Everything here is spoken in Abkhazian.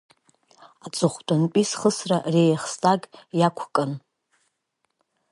Аҵыхәтәантәи схысра Реихстаг иақәкын.